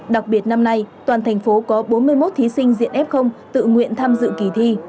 đặc biệt năm nay toàn thành phố có bốn mươi một thí sinh diện f tự nguyện tham dự kỳ thi